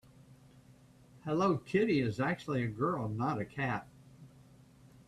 Hello Kitty is actually a girl, not a cat.